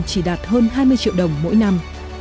chỉ đạt hơn hai mươi triệu đồng mỗi năm